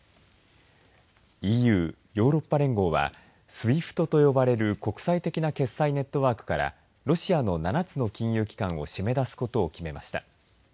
ＥＵ、ヨーロッパ連合はＳＷＩＦＴと呼ばれる国際的な決済ネットワークからロシアの７つの金融機関を締め出すことを決めました。